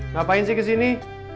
ngapain sih kesini